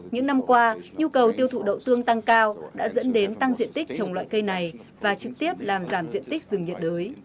những năm qua nhu cầu tiêu thụ đậu tương tăng cao đã dẫn đến tăng diện tích trồng loại cây này và trực tiếp làm giảm diện tích rừng nhiệt đới